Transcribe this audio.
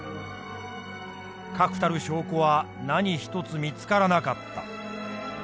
確たる証拠は何一つ見つからなかった。